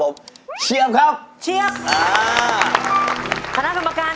โอเคค่ะ